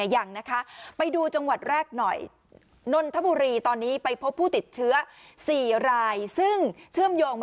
ยังนะคะไปดูจังหวัดแรกหน่อยนนทบุรีตอนนี้ไปพบผู้ติดเชื้อ๔รายซึ่งเชื่อมโยง